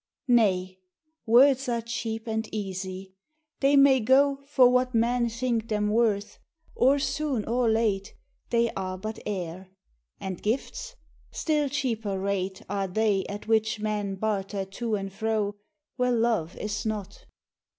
Nay! words are cheap and easy: they may go For what men think them worth: or soon or late, They are but air. And gifts? Still cheaper rate Are they at which men barter to and fro Where love is not!